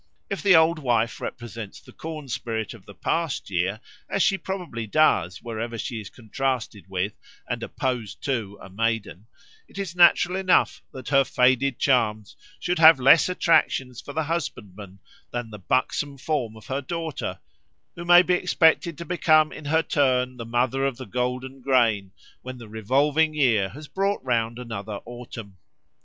If the Old Wife represents the corn spirit of the past year, as she probably does wherever she is contrasted with and opposed to a Maiden, it is natural enough that her faded charms should have less attractions for the husbandman than the buxom form of her daughter, who may be expected to become in her turn the mother of the golden grain when the revolving year has brought round another autumn.